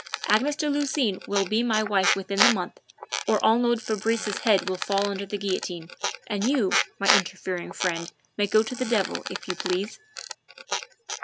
Agnes de Lucines will be my wife within the month, or Arnould Fabrice's head will fall under the guillotine, and you, my interfering friend, may go to the devil, if you please."